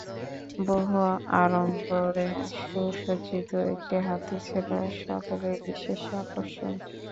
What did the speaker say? বহু আড়ম্বরে সুসজ্জিত একটি হাতী ছিল সকলের বিশেষ আকর্ষণ।